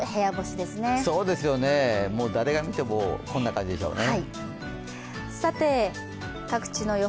そうですね、誰が見てもこんな感じでしょうね。